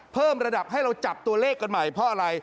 เพิ่มระดับให้เราจับตัวเลขกันใหม่เพราะอะไร